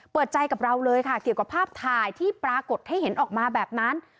เปิดใจกับเราเลยค่ะเกี่ยวกับภาพถ่ายที่ปรากฏให้เห็นออกมาแบบนั้น